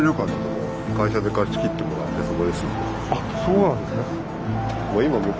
あっそうなんですね。